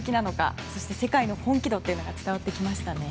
そして世界の本気度が伝わってきましたね。